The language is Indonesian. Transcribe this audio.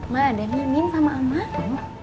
mak ada mimin sama emak